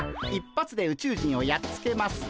１発で宇宙人をやっつけます。